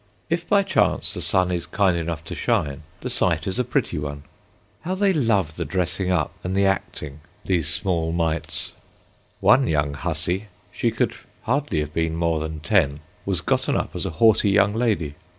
If by chance the sun is kind enough to shine, the sight is a pretty one. How they love the dressing up and the acting, these small mites! One young hussy—she could hardly have been more than ten—was gotten up as a haughty young lady.